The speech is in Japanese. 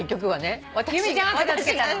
由美ちゃんが片付けたの？